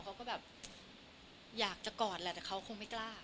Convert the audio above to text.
เขาก็แบบอยากจะกอดแหละแต่เขาคงไม่กล้า